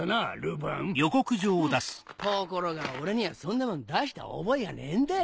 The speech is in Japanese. フンところが俺にはそんなもの出した覚えがねえんだよ。